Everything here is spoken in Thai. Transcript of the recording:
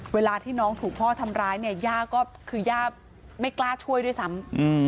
เวลาที่น้องถูกพ่อทำร้ายเนี่ยย่าก็คือย่าไม่กล้าช่วยด้วยซ้ำ